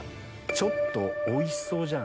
「ちょっとおいしそうじゃん」。